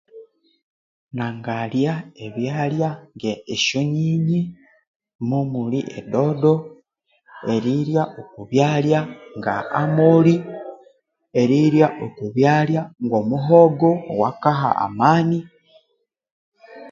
Nangalha ebyalya omulhi esyadodo no muhongo